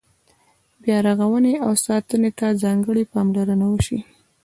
بیا رغونې او ساتنې ته ځانګړې پاملرنه وشي.